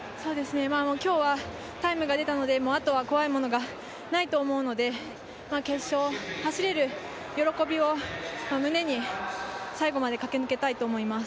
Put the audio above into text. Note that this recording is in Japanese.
今日はタイムが出たのであとは怖いものがないと思うので、決勝走れる喜びを胸に、最後まで駆け抜けたいと思います。